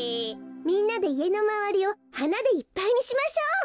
みんなでいえのまわりをはなでいっぱいにしましょう。